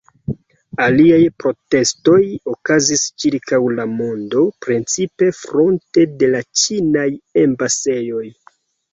Aliaj protestoj okazis ĉirkaŭ la mondo, precipe fronte de la ĉinaj embasejoj.